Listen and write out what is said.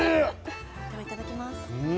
ではいただきます。